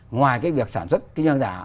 ngoài việc sản xuất kinh doanh hàng giả